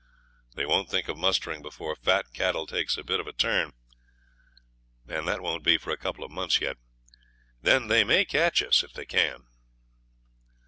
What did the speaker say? They won't think of mustering before fat cattle takes a bit of a turn. That won't be for a couple of months yet. Then they may catch us if they can.'